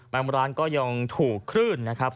บางร้านก็ยังถูกคลื่นนะครับ